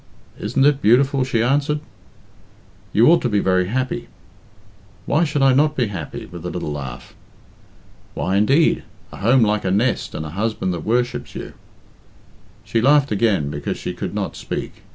"Isn't it beautiful?" she answered. "You ought to be very happy." "Why should I not be happy?" with a little laugh. "Why, indeed? A home like a nest and a husband that worships you " She laughed again because she could not speak.